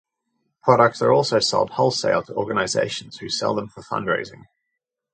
Products are also sold wholesale to organizations who sell them for fundraising.